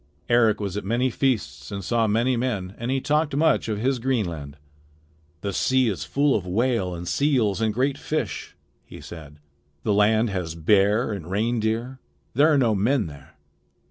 Eric was at many feasts and saw many men, and he talked much of his Greenland. "The sea is full of whale and seals and great fish," he said. "The land has bear and reindeer. There are no men there.